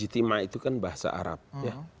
istimewa itu kan bahasa arab ya